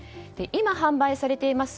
今、販売されています